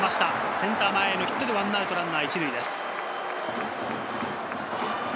センター前ヒットで１アウトランナー１塁です。